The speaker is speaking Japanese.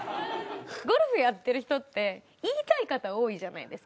ゴルフやってる人って言いたい方多いじゃないですか。